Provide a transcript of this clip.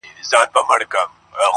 خو د بندیزونو ډول بیا شپه او ورځ وهي